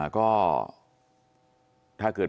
ก็ถ้าเกิด